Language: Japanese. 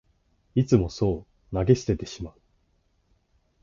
いつもそう投げ捨ててしまう